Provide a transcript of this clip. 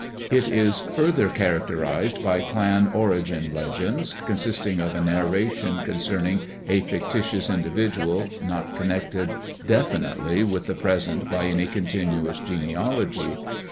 It is further characterized by clan origin legends, consisting of a narration concerning a fictitious individual not connected definitely with the present by any continuous genealogy.